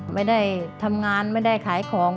ไม่ได้ทำงานไม่ได้ขายของ